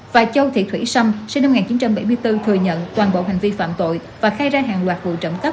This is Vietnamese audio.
và châu thị thủy sâm sinh năm một nghìn chín trăm bảy mươi bốn thừa nhận toàn bộ hành vi phạm tội và khai ra hàng loạt vụ trộm cắp